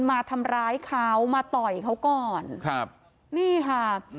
มาทำร้ายเขามาต่อยเขาก่อนครับนี่ค่ะ